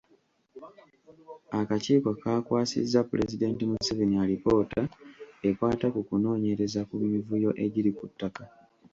Akakiiko kaakwasizza Pulezidenti Museveni alipoota ekwata ku kunoonyereza ku mivuyo egiri ku ttaka.